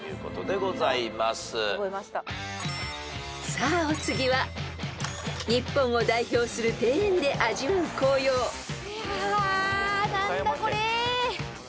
［さあお次は日本を代表する庭園で味わう紅葉］わ何だこれ！？